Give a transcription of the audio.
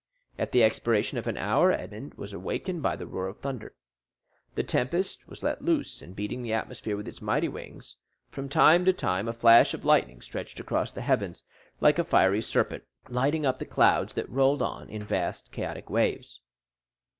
At the expiration of an hour Edmond was awakened by the roar of thunder. The tempest was let loose and beating the atmosphere with its mighty wings; from time to time a flash of lightning stretched across the heavens like a fiery serpent, lighting up the clouds that rolled on in vast chaotic waves.